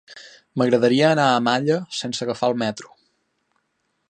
M'agradaria anar a Malla sense agafar el metro.